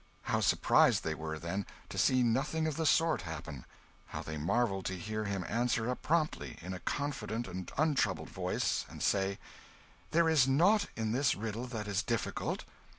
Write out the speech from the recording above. How surprised they were, then, to see nothing of the sort happen how they marvelled to hear him answer up promptly, in a confident and untroubled voice, and say "There is nought in this riddle that is difficult."